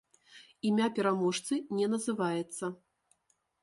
Імя пераможцы не называецца.